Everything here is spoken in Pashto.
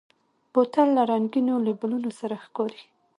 بوتل له رنګینو لیبلونو سره ښکاري.